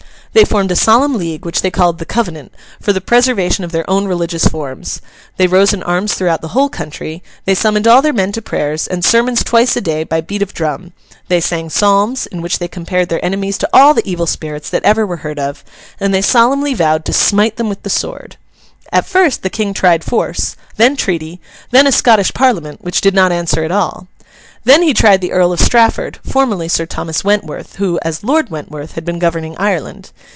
They formed a solemn league, which they called The Covenant, for the preservation of their own religious forms; they rose in arms throughout the whole country; they summoned all their men to prayers and sermons twice a day by beat of drum; they sang psalms, in which they compared their enemies to all the evil spirits that ever were heard of; and they solemnly vowed to smite them with the sword. At first the King tried force, then treaty, then a Scottish Parliament which did not answer at all. Then he tried the Earl of Strafford, formerly Sir Thomas Wentworth; who, as Lord Wentworth, had been governing Ireland.